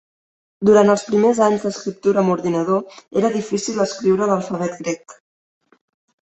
Durant els primers anys d'escriptura amb ordinador era difícil escriure l'alfabet grec.